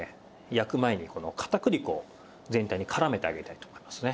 焼く前にこの片栗粉を全体にからめてあげたいと思いますね。